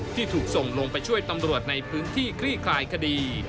ที่ถูกส่งลงไปช่วยตำรวจในพื้นที่คลี่คลายคดี